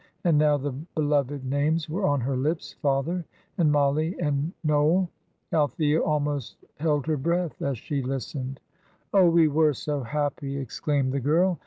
And now the beloved names were on her lips father and Mollie and Noel. Althea almost held her breath as she listened. "Oh, we were so happy!" exclaimed the girl.